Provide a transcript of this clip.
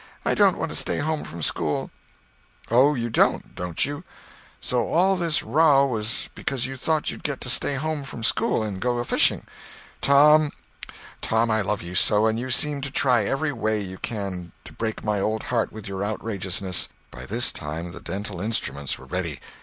I don't want to stay home from school." "Oh, you don't, don't you? So all this row was because you thought you'd get to stay home from school and go a fishing? Tom, Tom, I love you so, and you seem to try every way you can to break my old heart with your outrageousness." By this time the dental instruments were ready.